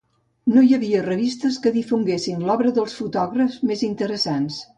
No hi havia revistes que difonguessin l'obra dels fotògrafs més interessants.